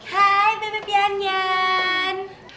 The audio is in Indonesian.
hai bebe pianyan